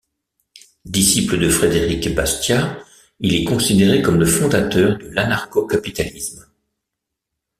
Disciple de Frédéric Bastiat, il est considéré comme le fondateur de l'anarcho-capitalisme.